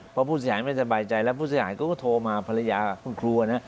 เพราะผู้สินหายไม่สบายใจและผู้สินหายก็โทรมาภรรยาคุณครัวนะ